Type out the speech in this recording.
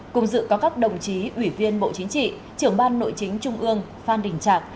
cùng dự có các đồng chí ủy viên bộ chính trị trưởng ban nội chính trung ương phan đình trạc